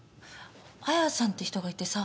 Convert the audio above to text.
綾さんって人がいてさ。